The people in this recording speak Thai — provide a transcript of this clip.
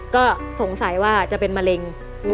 ก็สงสัยว่าจะเป็นมะเร็ง